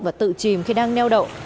và tự chìm khi đang neo đậu